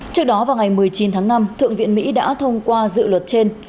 trước đó vào ngày một mươi chín tháng năm thượng viện mỹ đã thông qua dự luật trên